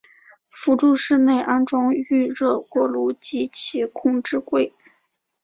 辅助室内安装预热锅炉及其控制柜。